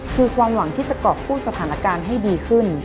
คือความหวังที่จะกรอบกู้สถานการณ์ให้ดีขึ้น